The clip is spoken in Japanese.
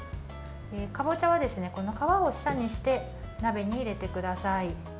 かぼちゃは皮を下にして鍋に入れてください。